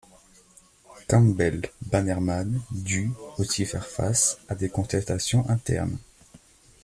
Campbell-Bannerman dut aussi faire face à des contestations internes.